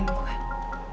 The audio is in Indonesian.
atau melukai saya